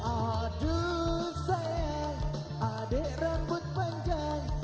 aduh sayang adik rambut panjang